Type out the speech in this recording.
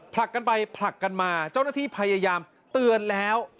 ผลักกันไปผลักกันมาเจ้าหน้าที่พยายามเตือนแล้ว